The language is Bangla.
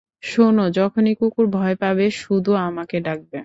শোন, যখনই কুকুর ভয় পাবে, শুধু আমাকে ডাকবে।